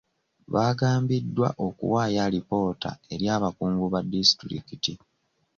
Baagambiddwa okuwaayo alipoota eri abakungu ba disitulikiti.